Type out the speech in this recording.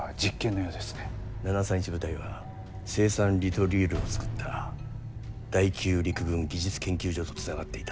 ７３１部隊は青酸ニトリールを作った第九陸軍技術研究所とつながっていた。